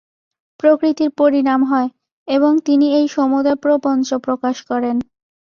প্রকৃতির পরিণাম হয় এবং তিনি এই সমুদয় প্রপঞ্চ প্রকাশ করেন।